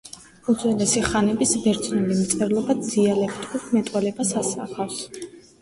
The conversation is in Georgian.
უძველესი ხანების ბერძნული მწერლობა დიალექტურ მეტყველებას ასახავს.